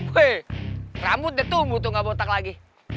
wih rambutnya tumbuh tuh gak botak lagi